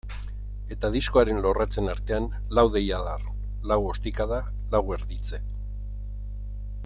Eta diskoaren lorratzen artean lau deiadar, lau ostikada, lau erditze.